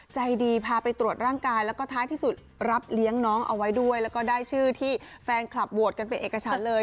ใจดีพาไปตรวจร่างกายแล้วก็ท้ายที่สุดรับเลี้ยงน้องเอาไว้ด้วยแล้วก็ได้ชื่อที่แฟนคลับโหวตกันเป็นเอกฉันเลย